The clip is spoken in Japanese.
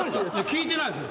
聞いてないです。